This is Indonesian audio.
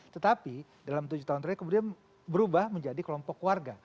tetapi dalam tujuh tahun terakhir kemudian berubah menjadi kelompok warga